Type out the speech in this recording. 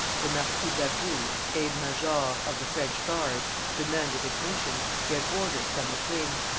The Marquis d'Agoult, aide major of the French guards, demanded admission; he had orders from the king.